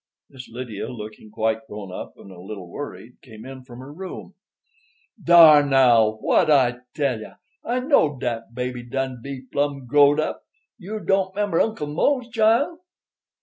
Miss Lydia, looking quite grown up and a little worried, came in from her room. "Dar, now! What'd I tell you? I knowed dat baby done be plum growed up. You don't 'member Uncle Mose, child?"